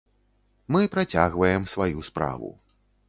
Мы працягваем сваю справу.